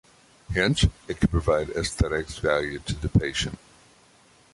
Hence, it can provide aesthetics value to the patient.